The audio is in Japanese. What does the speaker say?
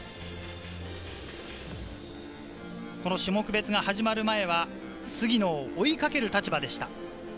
この種目別が始まる前は、杉野を追いかける立場でした。